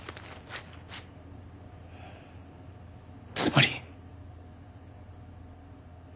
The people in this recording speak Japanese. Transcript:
つまり。